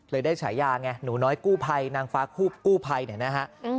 เลยได้ฉายาไงหนูน้อยกู้ไพนางฟ้ากู้ไพเนี่ยนะครับ